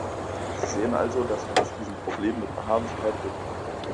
Sie sehen also, dass wir uns diesem Problem mit Beharrlichkeit widmen.